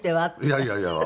いやいやいや。